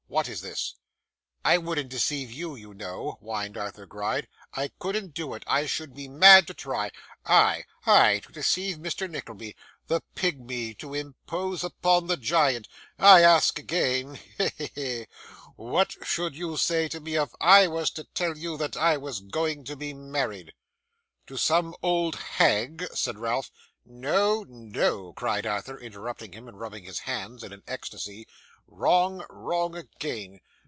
What is this?' 'I wouldn't deceive YOU, you know,' whined Arthur Gride; 'I couldn't do it, I should be mad to try. I, I, to deceive Mr. Nickleby! The pigmy to impose upon the giant. I ask again he, he, he! what should you say to me if I was to tell you that I was going to be married?' 'To some old hag?' said Ralph. 'No, No,' cried Arthur, interrupting him, and rubbing his hands in an ecstasy. 'Wrong, wrong again.